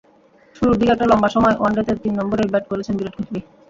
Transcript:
শুরুর দিকে একটা লম্বা সময় ওয়ানডেতে তিন নম্বরেই ব্যাট করেছেন বিরাট কোহলি।